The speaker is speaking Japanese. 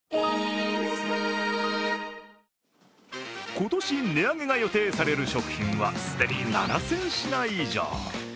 今年値上げが予定される食品は既に７０００品以上。